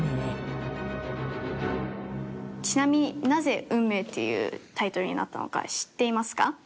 ちなみになぜ『運命』っていうタイトルになったのか知っていますか？